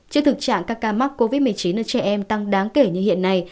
trước thực trạng các ca mắc covid một mươi chín ở trẻ em tăng đáng kể như hiện nay